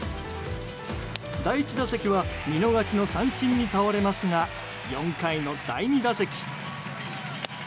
第１打席は見逃しの三振に倒れますが４回の第２打席。